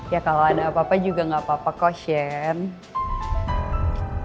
ya kalau ada apa apa juga gak apa apa co share